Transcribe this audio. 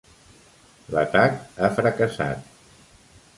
L'atac ha fracassat.